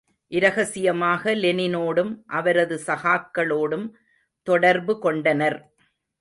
இரகசியமாக லெனினோடும் அவரது சகாக்களோடும் தொடர்பு கொண்டனர்.